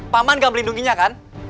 pak man nggak melindunginya kan